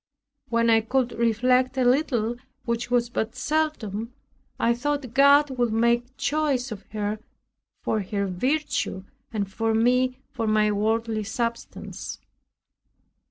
When I could reflect a little, which was but seldom, I thought God would make choice of her for her virtue, and me for my worldly substance.